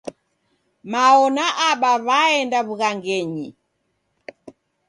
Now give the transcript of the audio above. Mao na Aba w'aenda w'ughangenyi.